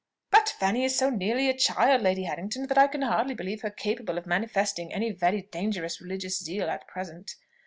"But Fanny is so nearly a child, Lady Harrington, that I can hardly believe her capable of manifesting any very dangerous religious zeal at present."